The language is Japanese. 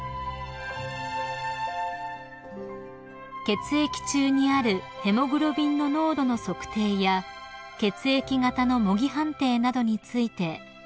［血液中にあるヘモグロビンの濃度の測定や血液型の模擬判定などについてクイズ形式で学んだ小学生］